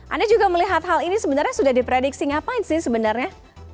anda juga melihat hal ini sebenarnya sudah diprediksi ngapain sih sebenarnya